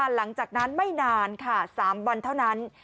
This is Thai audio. หลังจากนั้นไม่นานค่ะ๓วันเท่านั้น